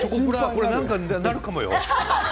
これ何かになるかもよ？